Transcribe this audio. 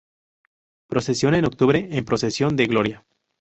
Procesiona en octubre en procesión de gloria.